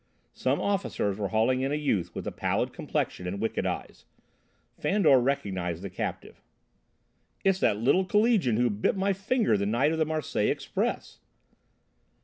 Some officers were hauling in a youth with a pallid complexion and wicked eyes. Fandor recognised the captive. "It's that little collegian who bit my finger the night of the Marseilles Express!"